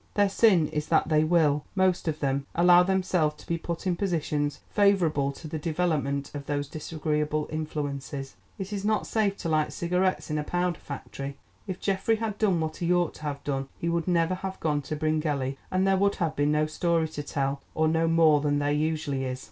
Their sin is that they will, most of them, allow themselves to be put in positions favourable to the development of these disagreeable influences. It is not safe to light cigarettes in a powder factory. If Geoffrey had done what he ought to have done, he would never have gone to Bryngelly, and there would have been no story to tell, or no more than there usually is.